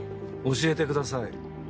教えてください。